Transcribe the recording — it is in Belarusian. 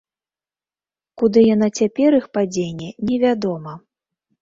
Куды яна цяпер іх падзене, невядома.